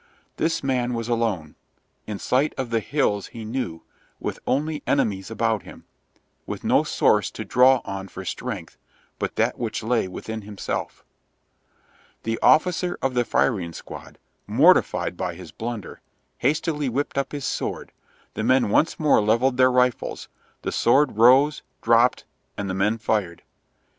This man was alone, in sight of the hills he knew, with only enemies about him, with no source to draw on for strength but that which lay within himself. [Picture: The death of Rodriguez] The officer of the firing squad, mortified by his blunder, hastily whipped up his sword, the men once more levelled their rifles, the sword rose, dropped, and the men fired.